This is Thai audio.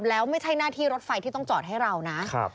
แล้วไม่ใช่หน้าที่รถไฟที่ต้องจอดให้เรานะ